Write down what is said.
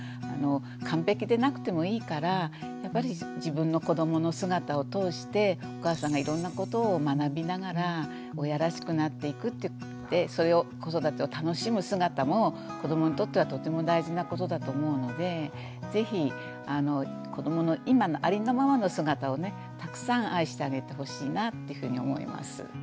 完璧でなくてもいいからやっぱり自分の子どもの姿を通してお母さんがいろんなことを学びながら親らしくなっていくってそれを子育てを楽しむ姿も子どもにとってはとても大事なことだと思うので是非子どもの今のありのままの姿をねたくさん愛してあげてほしいなってふうに思います。